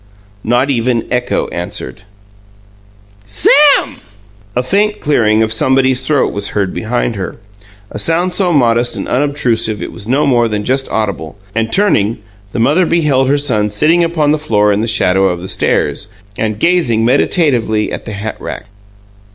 Not even echo answered. "SAM!" A faint clearing of somebody's throat was heard behind her, a sound so modest and unobtrusive it was no more than just audible, and, turning, the mother beheld her son sitting upon the floor in the shadow of the stairs and gazing meditatively at the hatrack.